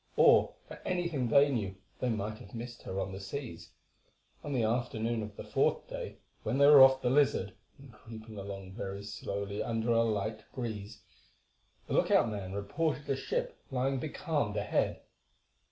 Or, for anything they knew, they might have missed her on the seas. On the afternoon of the fourth day, when they were off the Lizard, and creeping along very slowly under a light breeze, the look out man reported a ship lying becalmed ahead.